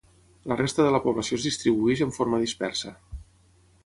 La resta de la població es distribueix en forma dispersa.